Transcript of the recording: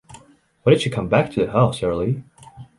Why did she come back to the house early?